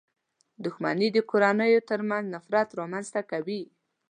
• دښمني د کورنيو تر منځ نفرت رامنځته کوي.